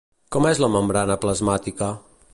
Com és la membrana plasmàtica?